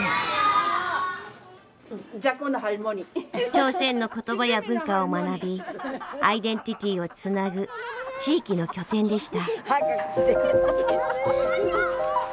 朝鮮の言葉や文化を学びアイデンティティーをつなぐ地域の拠点でした。